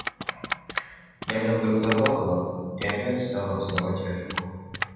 Няня вдруг заплакала и опять стала целовать ее руку.